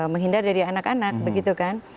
menghindar dari anak anak begitu kan